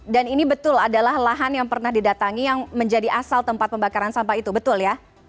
dan ini betul adalah lahan yang pernah didatangi yang menjadi asal tempat pembakaran sampah itu betul ya